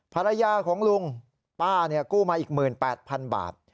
ภรรยาของลุงป้ากู้มาอีก๑๘๐๐๐บาท